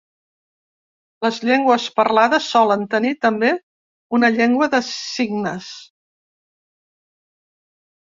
Les llengües parlades solen tenir també una llengua de signes.